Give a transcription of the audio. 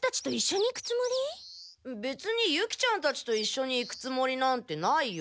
べつにユキちゃんたちといっしょに行くつもりなんてないよ。